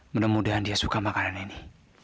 mudah mudahan dia suka makanan ini